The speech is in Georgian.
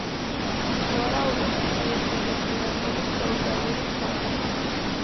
სავარაუდოდ თარიღდება გვიანდელი ფეოდალური ხანით.